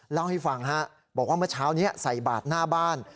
เล่าให้ฟังบอกว่าเมื่อเช้านี้ใส่บาทหน้าบ้าน